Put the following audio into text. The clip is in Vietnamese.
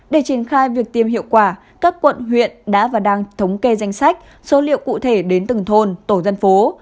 để triển khai việc tiêm hiệu quả các quận huyện đã và đang thống kê danh sách số liệu cụ thể đến từng thôn tổ dân phố